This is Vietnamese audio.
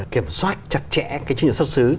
kiểm soát chặt chẽ cái chứng nhận xuất xứ